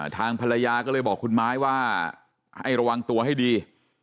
ทางภรรยาก็เลยบอกคุณไม้ว่าให้ระวังตัวให้ดี